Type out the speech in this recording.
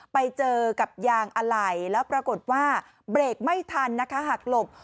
ไปเจอกับยางอะไหล่แล้วปรากฏว่าเบรกไม่ทันนะคะหักหลบ